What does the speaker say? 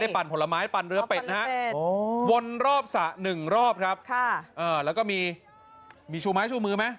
ปั่นผลไม้ปั่นเรือเป็ดนะฮะวนรอบสระ๑รอบครับแล้วก็มีชูไม้ชูมือไหม